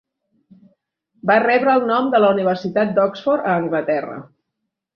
Va rebre el nom de la Universitat d'Oxford, a Anglaterra.